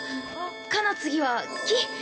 「か」の次は「き」。